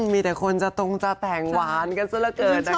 มีแต่คนจะตรงจะแต่งหวานกันซะละเกินนะคะ